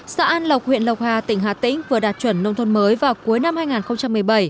xã an lộc huyện lộc hà tỉnh hà tĩnh vừa đạt chuẩn nông thôn mới vào cuối năm hai nghìn một mươi bảy